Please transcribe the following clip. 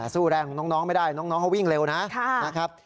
สู้แรงของน้องไม่ได้น้องเขาวิ่งเร็วนะครับ